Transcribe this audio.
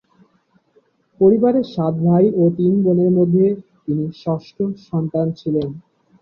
পরিবারের সাত ভাই ও তিন বোনের মধ্যে তিনি ষষ্ঠ সন্তান ছিলেন।